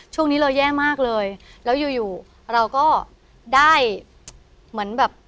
ช่วงนี้เราแย่มากเลยแล้วอยู่อยู่เราก็ได้เหมือนแบบ